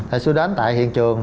thì xưa đến tại hiện trường